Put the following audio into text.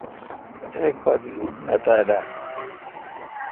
اتیک پہ تی اوپ نہ تھال اؘ۔